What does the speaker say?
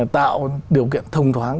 tạo điều kiện thông thoáng